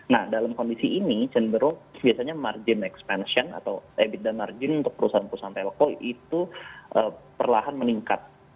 nah dalam kondisi ini cenderung biasanya margin expansion atau ebit dan margin untuk perusahaan perusahaan telko itu perlahan meningkat